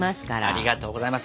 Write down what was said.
ありがとうございます。